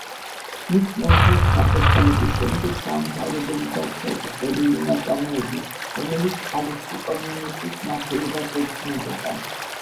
მის მეუღლეს გარდაცვალების შემდეგ დაუმთავრებელი დარჩა ისტორიული ნაწარმოები, რომელიც ალექსი კომნენოსის მმართველობას ეძღვნებოდა.